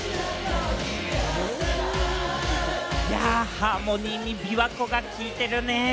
ハーモニーに琵琶湖が効いてるね。